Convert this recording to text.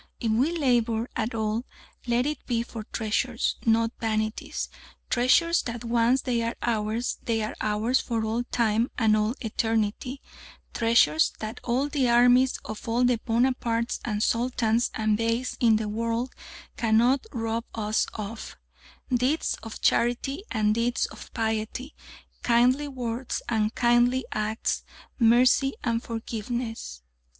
If we labour at all let it be for treasures, not vanities treasures that once they are ours are ours for all time and all eternity, treasures that all the armies of all the Bonapartes and Sultans and Beys in the world cannot rob us of deeds of charity and deeds of piety, kindly words and kindly acts, mercy and forgiveness.